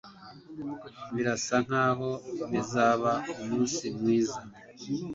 Birasa nkaho bizaba umunsi mwiza.